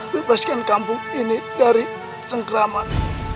bebaskan kampung ini dari cengkraman